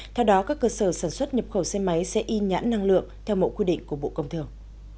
theo đó các cơ sở sản xuất nhập khẩu xe máy sẽ in nhãn năng lượng theo mẫu quy định của bộ công thường